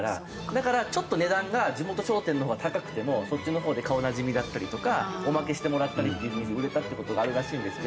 だからちょっと値段が地元商店のほうが高くてもそっちのほうで顔なじみだったりとかおまけしてもらったりって売れたっていう事があるらしいんですけど。